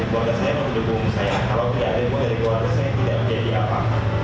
tidak ada yang mau dari keluarga saya tidak menjadi apa apa